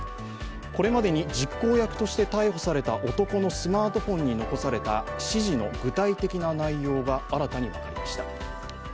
これまでに実行役として逮捕された男のスマートフォンに残された指示の具体的な内容が新たに分かりました。